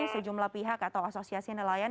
sejumlah pihak atau asosiasi nelayan